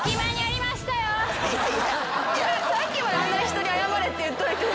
さっきまであんなに人に謝れって言っといて。